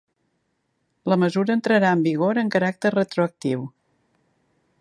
La mesura entrarà en vigor en caràcter retroactiu